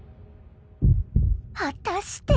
果たして。